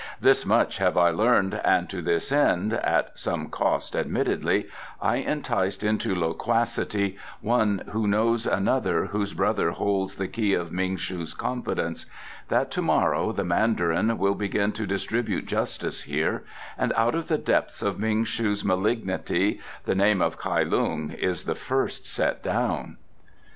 This much have I learned, and to this end, at some cost admittedly, I enticed into loquacity one who knows another whose brother holds the key of Ming shu's confidence: that to morrow the Mandarin will begin to distribute justice here, and out of the depths of Ming shu's malignity the name of Kai Lung is the first set down."